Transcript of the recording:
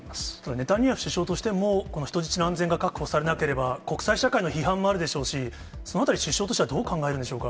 ネタニヤフ首相としても、この人質の安全が確保されなければ、国際社会の批判もあるでしょうし、そのあたり、首相としてはどう考えるんでしょうか。